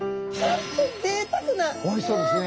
おいしそうですね。